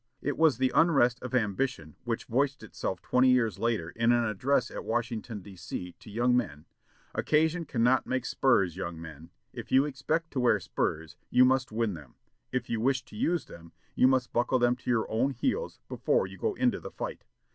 It was the unrest of ambition, which voiced itself twenty years later in an address at Washington, D. C., to young men. "Occasion cannot make spurs, young men. If you expect to wear spurs, you must win them. If you wish to use them, you must buckle them to your own heels before you go into the fight.